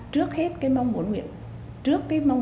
trước hết cái mong muốn nguyện vọng của mình